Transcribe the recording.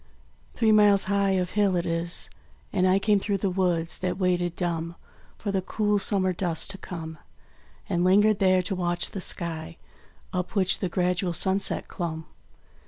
Three miles of hill it is; and I Came through the woods that waited, dumb, For the cool Summer dusk to come; And lingered there to watch the sky Up which the gradual sunset clomb.